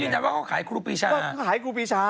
เรารวมกันว่าเขาก็ขายครูปีชา